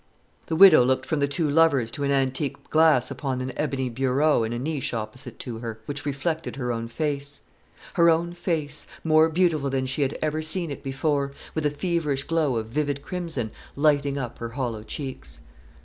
The widow looked from the two lovers to an antique glass upon an ebony bureau in a niche opposite to her, which reflected her own face, her own face, more beautiful than she had ever seen it before, with a feverish glow of vivid crimson lighting up her hollow cheeks.